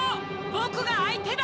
ボクがあいてだ！